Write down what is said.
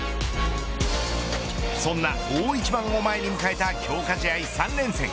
そんな大一番を前に迎えた強化試合３連戦。